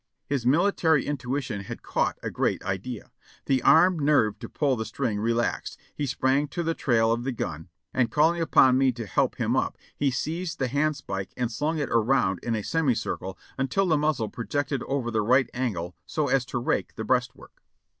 His military intuition had caught a great idea. The arm nerved to pull the string relaxed; he sprang to the trail of the gun, and calling upon me to help him up, he seized the handspike and slung it around in a semicircle until the muz zle projected over the right angle so as to rake the breastwork.